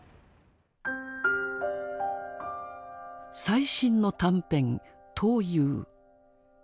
最新の短編「闘魚」。